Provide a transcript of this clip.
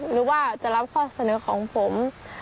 หรือว่าจะรับข้อเสนอของผม